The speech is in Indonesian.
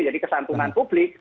jadi kesantungan publik